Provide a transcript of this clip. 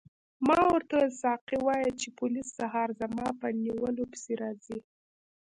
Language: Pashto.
ما ورته وویل ساقي وایي چې پولیس سهار زما په نیولو پسې راځي.